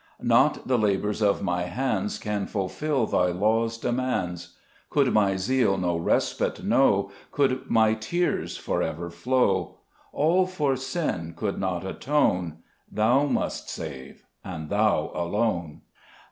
2 Not the labors of my hands Can fulfil Thy law's demands ; Could my zeal no respite know, Could my tears for ever flow, All for sin could not atone ; Thou must save, and Thou alone.